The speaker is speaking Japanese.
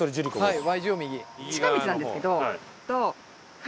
はい。